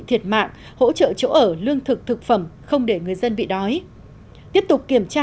thiệt mạng hỗ trợ chỗ ở lương thực thực phẩm không để người dân bị đói tiếp tục kiểm tra